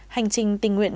hành trình tình nguyện